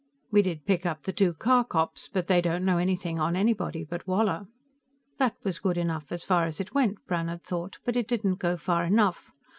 We did pick up the two car cops, but they don't know anything on anybody but Woller." That was good enough, as far as it went, Brannhard thought, but it didn't go far enough.